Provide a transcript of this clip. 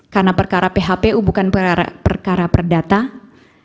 karena perkara phpu bukan perkara perdamaian